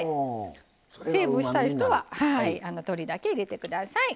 セーブしたい人は鶏だけ入れてください。